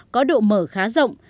có độ mở khá rộng